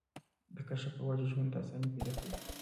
د کشف پۀ وجه ژوند ته اسانۍ پېدا کوي